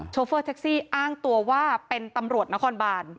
โฟเฟอร์แท็กซี่อ้างตัวว่าเป็นตำรวจนครบาน